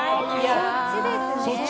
そっちですね。